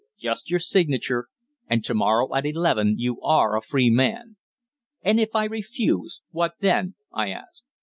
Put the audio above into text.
Just your signature, and to morrow at eleven you are a free man." "And if I refuse, what then?" I asked.